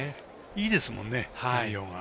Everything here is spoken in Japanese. いいですもんね、内容が。